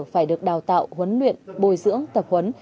phải được đào tạo huấn luyện bồi dưỡng tập huấn